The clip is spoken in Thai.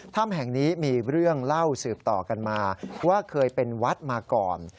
ถ้ำแห่งนี้มีเรื่องเล่าสืบต่อกันมาว่าเคยเป็นวัดมาก่อน